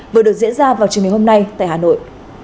vừa được diễn ra vào trường hình hôm nay tại hà nội